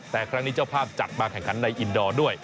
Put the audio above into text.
แต่ครั้งนี้เจ้าภาพจัดมาแข่งขันในอินดอร์ด้วย